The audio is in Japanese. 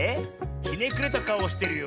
ひねくれたかおをしてるよ。